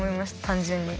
単純に。